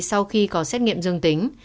sau khi có xét nghiệm dương tính